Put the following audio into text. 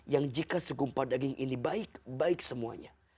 yang jika segumpah daging ini baik baik semuanya